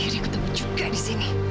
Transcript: akhirnya ketemu juga di sini